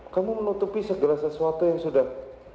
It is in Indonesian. kamu menutupi segala sesuatu yang sudah